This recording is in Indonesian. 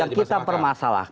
yang kita permasalahkan ada skill